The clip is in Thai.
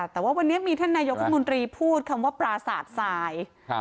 แต่ว่าวันนี้มีท่านนายกรัฐมนตรีพูดคำว่าปราสาททราย